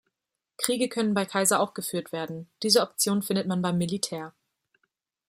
Kriege können bei Kaiser auch geführt werden, diese Option findet man beim Militär.